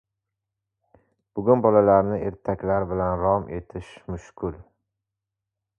– Bugun bolalarni ertaklar bilan rom etish mushkul.